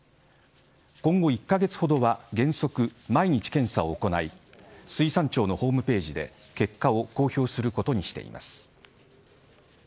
今後、１カ月ほどは原則毎日検査を行い水産庁のホームページで結果を公表することにしています。